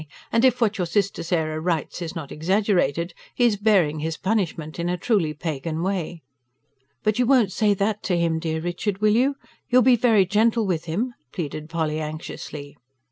"And if what your sister Sarah writes is not exaggerated, he is bearing his punishment in a truly pagan way." "But you won't say that to him, dear Richard ... will you? You'll be very gentle with him?" pleaded Polly anxiously.